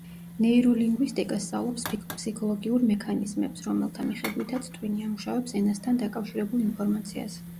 ნეიროლინგვისტიკა სწავლობს ფსიქოლოგიურ მექანიზმებს, რომელთა მიხედვითაც, ტვინი ამუშავებს ენასთან დაკავშირებულ ინფორმაციას.